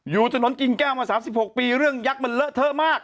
อยู่ถนนกิ่งแก้วมา๓๖ปีเรื่องยักษ์มันเลอะเทอะมาก